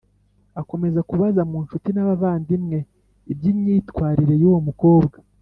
akomeza kubaza mu nshuti n’abavandimwe iby’imyitwarire y’uwo mukobwa